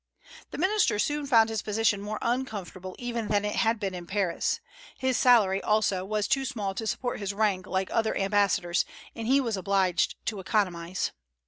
The minister soon found his position more uncomfortable even than it had been in Paris. His salary, also, was too small to support his rank like other ambassadors, and he was obliged to economize.